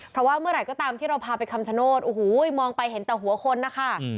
เพราะว่าเมื่อไหร่ก็ตามที่เราพาไปคำชโนธโอ้โหมองไปเห็นแต่หัวคนนะคะ